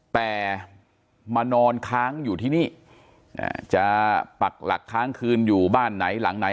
แต่มานอนค้างอยู่ที่นี่จะปักหลักค้างคืนอยู่บ้านไหนหลังไหน